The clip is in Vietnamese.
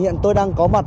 hiện tôi đang có mặt